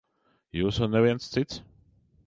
Jūs un neviens cits.